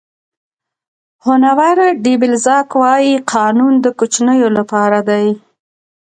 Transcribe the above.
هونور ډي بلزاک وایي قانون د کوچنیو لپاره دی.